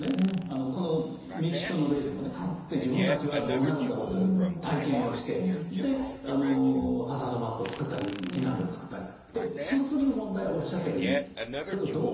このメキシコの例でもね自分たちはどうなるんだろうという体験をしてであのハザードマップを作ったり避難ルートを作ったりでその次の問題はおっしゃったようにそれをどう継続するかってことですね。